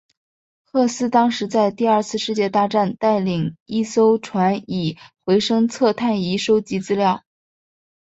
赫斯当时在第二次世界大战带领一艘船以回声测深仪收集资料。